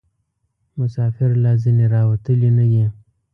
مسافر لا ځني راوتلي نه دي.